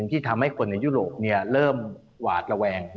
ที่ทำให้คนในยุโรปเริ่มหวาดระแวง